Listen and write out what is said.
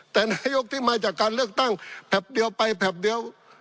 แต่นายกที่มาจากการเลือกตั้งแผบเดียวไปแผบเดียว